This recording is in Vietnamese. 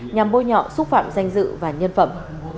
nhằm bôi nhọ xúc phạm danh dự và nhân phẩm